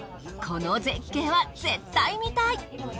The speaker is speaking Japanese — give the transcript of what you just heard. この絶景は絶対見たい！